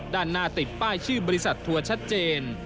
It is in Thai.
ด้านหน้าติดป้ายชื่อบริษัททัวร์ชัดเจน